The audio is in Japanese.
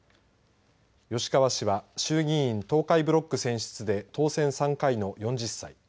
吉川氏は衆議院東海ブロック選出で当選３回の４０歳。